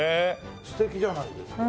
素敵じゃないですか。